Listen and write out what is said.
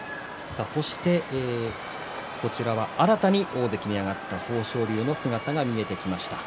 新たに大関に上がった豊昇龍の姿が見えてきました。